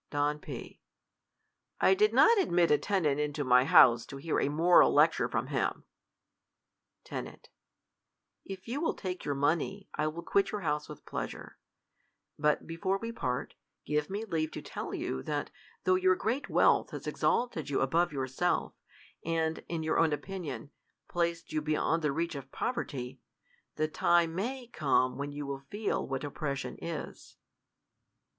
. Don P, I did not admit a tenant into my house to hear a moral lecture from him. Ten, If you will take your money, I will quit your house with pleasure. Bui before we part, give me leave to tell you, that, though your great wealth has exalted you above yourself, and, in your own opinon, placed you beyond the reach of poverty, the time 7nai/ come when you will feel what oppression is.